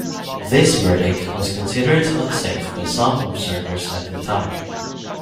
This verdict was considered unsafe by some observers at the time.